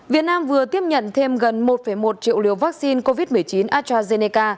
việt nam vừa tiếp nhận thêm gần một một triệu liều vaccine covid một mươi chín astrazeneca